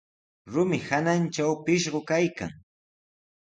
Rumi hanantrawmi pishqu kaykan.